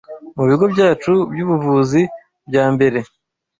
mu Bigo Byacu by’Ubuvuzi bya Mbere